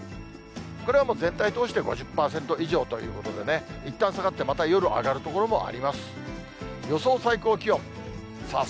これはもう全体を通して、５０％以上ということでね、いったん下がって、また夜上がる所もあります。